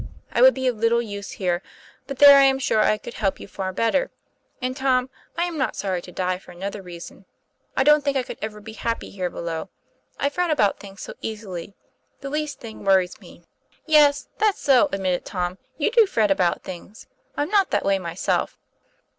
I would be of little use here; but there I am sure I could help you far better. And, Tom, I am not sorry to die, for another reason. I don't think I could ever be happy here below. I fret about things so easily. The least thing wor ries me.' 'Yes, that's so," admitted Tom; "you do fret about things. I'm not that way myself."